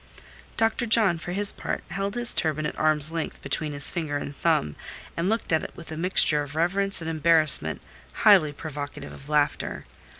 Dr. John, for his part, held his turban at arm's length between his finger and thumb, and looked at it with a mixture of reverence and embarrassment highly provocative of laughter.